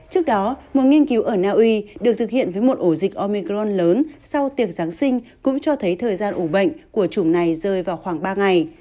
trước đó một nghiên cứu ở naui được thực hiện với một ổ dịch omicron lớn sau tiệc giáng sinh cũng cho thấy thời gian ủ bệnh của chủng này rơi vào khoảng ba ngày